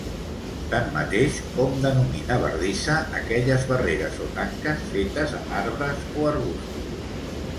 Tanmateix hom denomina bardissa aquelles barreres o tanques fetes amb arbres o arbustos.